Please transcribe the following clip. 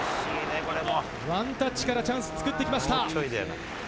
ワンタッチからチャンス作ってきました。